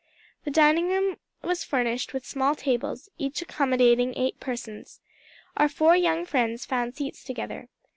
The dining room was furnished with small tables each accommodating eight persons. Our four young friends found seats together.